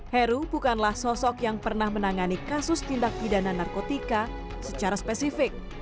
heru bukanlah sosok yang pernah menangani kasus tindak pidana narkotika secara spesifik